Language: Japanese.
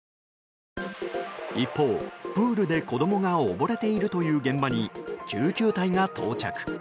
一方、プールで子供が溺れているという現場に救急隊が到着。